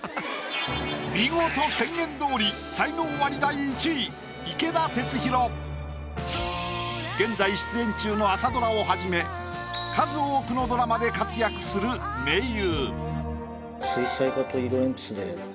見事宣言どおり現在出演中の朝ドラをはじめ数多くのドラマで活躍する名優。